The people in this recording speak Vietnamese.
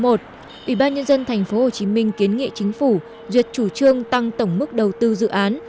ủy ban nhân dân tp hcm kiến nghị chính phủ duyệt chủ trương tăng tổng mức đầu tư dự án